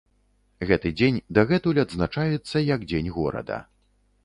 Гэты дзень дагэтуль адзначаецца як дзень горада.